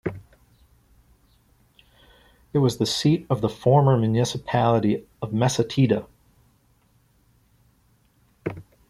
It was the seat of the former municipality of Messatida.